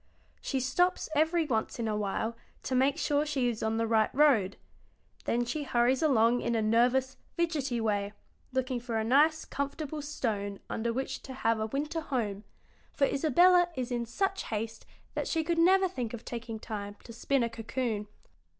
She stops every once in a while to make sure she is on the right road; then she hurries along in a nervous, fidgety way, looking for a nice, comfortable stone under which to have a winter home, for Isabella is in such haste that she could never think of taking time to spin a cocoon."